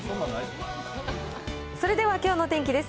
それではきょうの天気です。